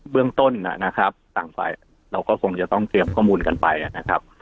เรื่องต้นนะครับต่างฝ่ายเราก็คงจะต้องเตรียมข้อมูลกันไปนะครับ